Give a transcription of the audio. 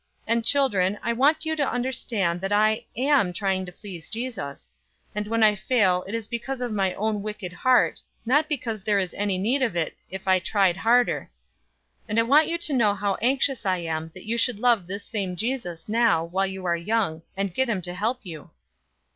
And, children, I want you to understand that I am trying to please Jesus; and when I fail it is because of my own wicked heart, not because there is any need of it if I tried harder; and I want you to know how anxious I am that you should love this same Jesus now while you are young, and get him to help you."